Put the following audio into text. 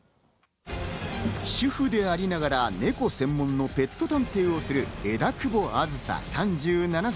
主婦でありながら、ネコ専門のペット探偵をする枝久保梓、３７歳。